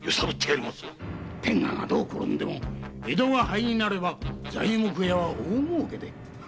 天下がどう転んでも江戸が灰になれば材木屋は大もうけで。